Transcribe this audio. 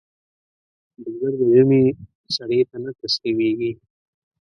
بزګر د ژمي سړې ته نه تسلېږي